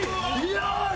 よし！